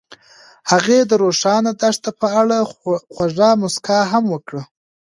هغې د روښانه دښته په اړه خوږه موسکا هم وکړه.